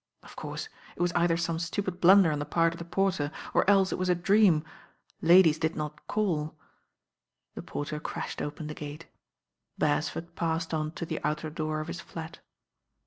Of course, it was either some stupid blunder on the part of the porter, or else it was a dream. Ladies did not caU The por ter crashed open the gate. ■ Beresford passed on to the outer door of his Bat.